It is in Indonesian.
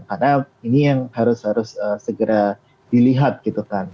karena ini yang harus harus segera dilihat gitu kan